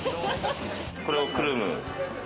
これをくるむ。